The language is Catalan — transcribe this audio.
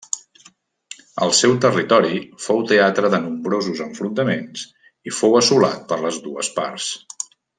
El seu territori fou teatre de nombrosos enfrontaments i fou assolat per les dues parts.